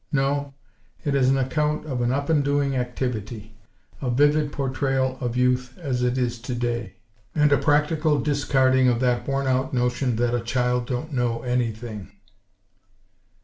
No. It is an account of up and doing activity; a vivid portrayal of Youth as it is today; and a practical discarding of that worn out notion that "a child don't know anything."